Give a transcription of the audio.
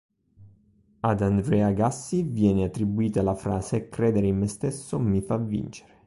Ad Andre Agassi viene attribuita la frase "credere in me stesso mi fa vincere".